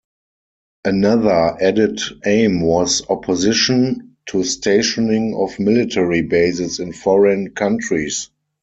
Another added aim was opposition to stationing of military bases in foreign countries.